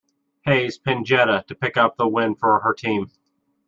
Haze pinned Jetta to pick up the win for her team.